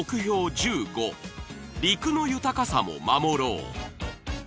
１５「陸の豊かさも守ろう」